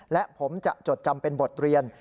และผมจะจดจำเป็นบทเรียน